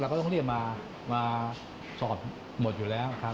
ก็ต้องเรียกมาสอบหมดอยู่แล้วนะครับ